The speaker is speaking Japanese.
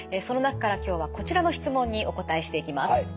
その中から今日はこちらの質問にお答えしていきます。